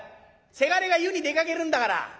せがれが湯に出かけるんだから。